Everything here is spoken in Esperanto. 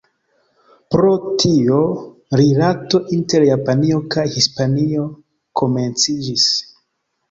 Pro tio, rilato inter Japanio kaj Hispanio komenciĝis.